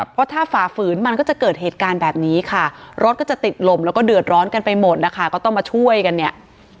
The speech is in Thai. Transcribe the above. เพราะถ้าฝ่าฝืนมันก็จะเกิดเหตุการณ์แบบนี้ค่ะรถก็จะติดลมแล้วก็เดือดร้อนกันไปหมดนะคะก็ต้องมาช่วยกันเนี่ย